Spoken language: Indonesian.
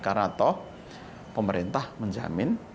karena toh pemerintah menjamin